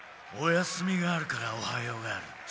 おやすみがあるからおはようがある。